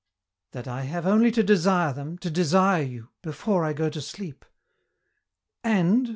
"That I have only to desire them, to desire you, before I go to sleep...." "And?"